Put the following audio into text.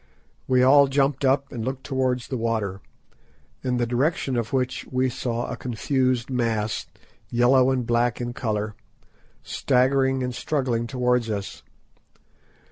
We all jumped up and looked towards the water, in the direction of which we saw a confused mass, yellow and black in colour, staggering and struggling towards us.